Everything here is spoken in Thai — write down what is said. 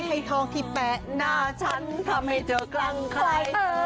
ให้ทองที่แปะหน้าฉันทำให้เธอกลั่งใคร